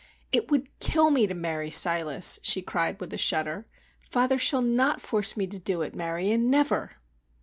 "It would kill me to marry Silas!" she cried with a shudder. "Father shall not force me to do it, Marion, never!"